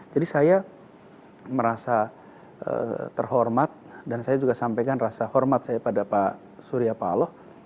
jadi saya merasa terhormat dan saya juga sampaikan rasa hormat saya pada pak surya paloh